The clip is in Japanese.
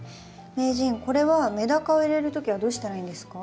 名人これはメダカを入れる時はどうしたらいいんですか？